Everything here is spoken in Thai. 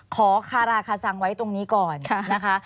ขอคาราคาซังไว้ตรงนี้ก่อนนะคะ